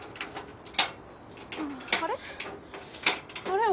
あれ？